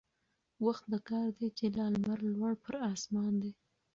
وخت د كار دى چي لا لمر لوړ پر آسمان دى